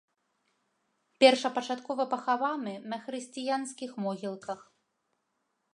Першапачаткова пахаваны на хрысціянскіх могілках.